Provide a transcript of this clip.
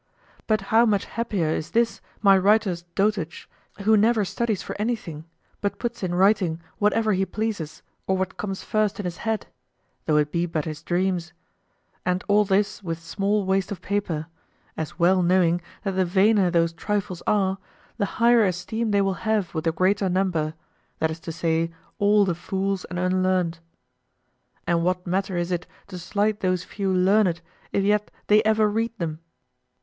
But how much happier is this my writer's dotage who never studies for anything but puts in writing whatever he pleases or what comes first in his head, though it be but his dreams; and all this with small waste of paper, as well knowing that the vainer those trifles are, the higher esteem they will have with the greater number, that is to say all the fools and unlearned. And what matter is it to slight those few learned if yet they ever read them?